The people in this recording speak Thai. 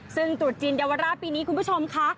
ซึ่งตรุษจีนเยาวราชปีนี้คุณผู้ชมค่ะ